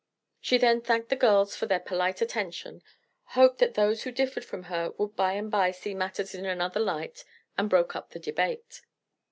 She then thanked the girls for their polite attention, hoped that those who differed from her would by and by see matters in another light, and broke up the debate.